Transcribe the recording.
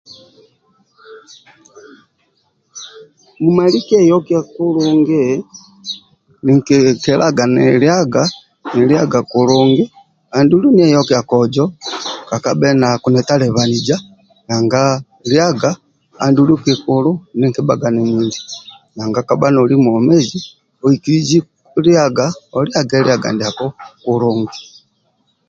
humali kyeyokiya kulungi nki kelelaga nilyaga nilyaga kulungi andulu ne yokiya kojo kekaba na kunitelebanija nanga lyaga anduku kikulua nanga koba nolyagi oikiliji lyaga oliyage lyaga ndiako kulungi